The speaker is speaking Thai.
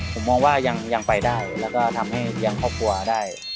ผมมองว่ายังไปได้แล้วก็ทำให้เลี้ยงครอบครัวได้